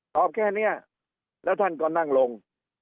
แค่นี้แล้วท่านก็นั่งลง